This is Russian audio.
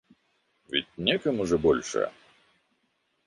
Ведь некому же больше?